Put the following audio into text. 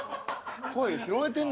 声拾えてんのかな？